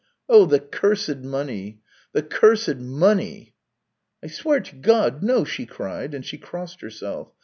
" Oh, the cursed money ! The cursed money !"" I swear to God, no !" she cried, and she crossed herself.